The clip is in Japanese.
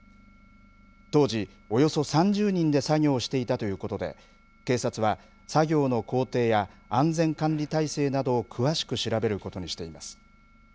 当時、およそ３０人で作業をしていたということで警察は作業の工程や安全管理体制などを詳しく調べることにしています。